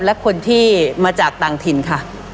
และคนที่มาจากต่างถิ่นค่ะ